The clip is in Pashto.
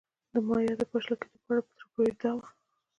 د مایا د پاشل کېدو په اړه په زړه پورې دا ده